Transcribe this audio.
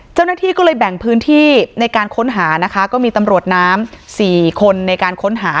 เจ้าหน้าที่ก็เลยแบ่งพื้นที่ในการค้นหานะคะก็มีตำรวจน้ำสี่คนในการค้นหา